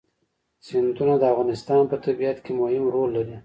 سیندونه د افغانستان په طبیعت کې مهم رول لري.